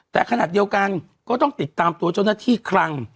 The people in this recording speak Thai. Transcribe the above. แต่ขณะเดียวกันก็ต้องติดตามตัวเจ้าหน้าที่คลัง